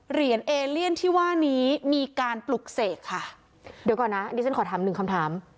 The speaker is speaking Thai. เอเลียนที่ว่านี้มีการปลุกเสกค่ะเดี๋ยวก่อนนะดิฉันขอถามหนึ่งคำถาม